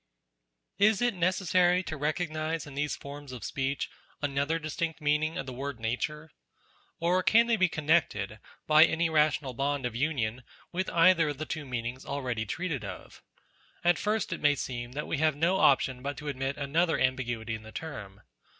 Is it necessar} T to recognize in these forms of speech, another distinct meaning of the word Nature ? Or can they be connected, by any rational bond of union, with either of the two meanings already treated of? At first it may seem that we have no option but to admit another ambiguity in the term.